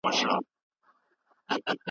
باید خپل ځان او خپل ملت له کرکي، بدبينۍ او